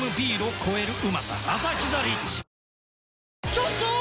ちょっとー！